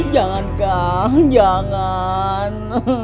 jangan kang jangan